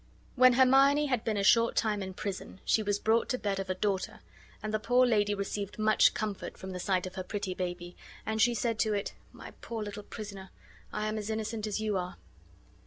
When Hermione had been a short time in prison she was brought to bed of a daughter; and the poor lady received much comfort from the sight of her pretty baby, and she said to it, "My poor little prisoner, I am as innocent as you are."